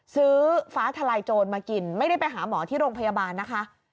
ซื้อฟ้าทลายโจรมากินไม่ได้ไปหาหมอที่โรงพยาบาลนะคะ